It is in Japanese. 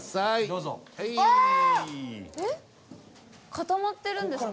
固まってるんですか？